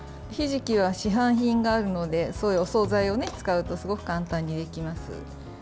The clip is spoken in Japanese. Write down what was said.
ひじきは市販品があるのでそういうお総菜を使うとすごく簡単にできます。